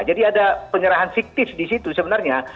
jadi ada penyerahan fiktif di situ sebenarnya